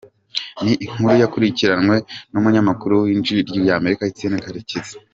Ni inkuru yakurikiranwe n’umunyamakuru w’Ijwi ry’Amerika Etienne Karekezi.